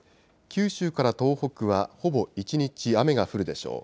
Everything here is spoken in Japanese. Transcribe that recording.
九州から東北はほぼ一日雨が降るでしょう。